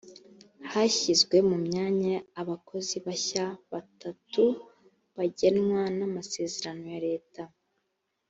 hashyizwe mu myanya abakozi bashya batatu bagengwa n amasezerano ya leta